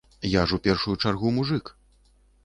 Я ж у першую чаргу мужык.